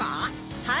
はい。